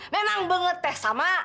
memang banget teh sama